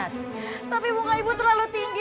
tapi bunga ibu terlalu tinggi